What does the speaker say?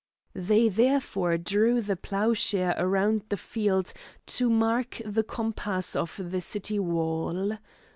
They therefore drew the ploughshare round the field to mark the compass of the city wall.